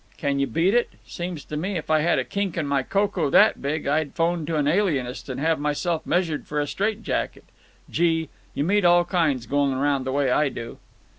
"Can you beat it! Seems to me if I had a kink in my coco that big I'd phone to an alienist and have myself measured for a strait jacket. Gee! You meet all kinds, going around the way I do."